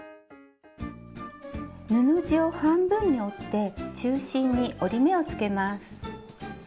布地を半分に折って中心に折り目をつけます。